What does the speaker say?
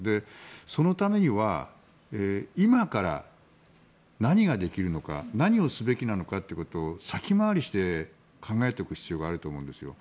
そのためには今から何ができるのか何をすべきなのかということを先回りして考えておく必要があると思うんですよ。